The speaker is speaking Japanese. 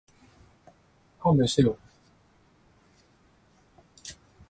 勘弁してよ